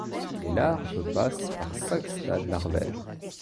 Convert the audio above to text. Les larves passent par cinq stades larvaires.